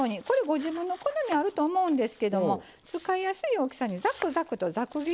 ご自分の好みあると思うんですけども使いやすい大きさにザクザクとザク切りにするんですね。